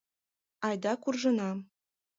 — Айда куржына.